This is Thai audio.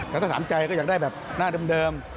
แต่ถ้าถามใจก็อยากได้แบบหน้าเดิม